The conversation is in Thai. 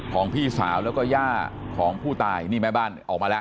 พี่สาวแล้วก็ย่าของผู้ตายนี่แม่บ้านออกมาแล้ว